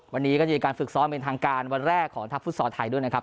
วันนี้ก็จะมีการฝึกซ้อมเป็นทางการวันแรกของทัพฟุตซอลไทยด้วยนะครับ